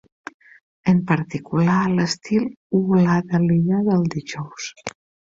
En particular, l'estil "hula" de l'illa dels Dijous.